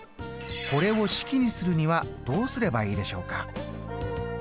これを式にするにはどうすればいいでしょうか？